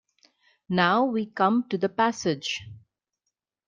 Now we come to the passage.